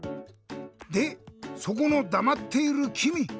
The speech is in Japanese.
でそこのだまっているきみ！